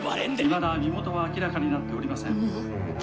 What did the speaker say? いまだ身元は明らかになっておりません。